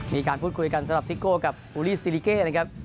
มีการพูดคุยกันสำหรับการสิโก้วด้วยอูลลี่สติฬิเกตี่กันเลยครับ